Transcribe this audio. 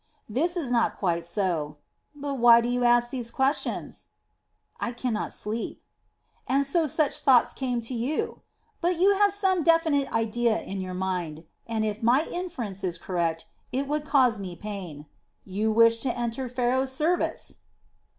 "This is not quite so. But why do you ask these questions?" "I could not sleep." "And so such thoughts came to you. But you have some definite idea in your mind and, if my inference is correct, it would cause me pain. You wished to enter Pharaoh's service!"